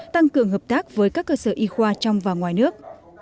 tăng cường hợp tác với các cơ sở y khoa trong và ngoài nước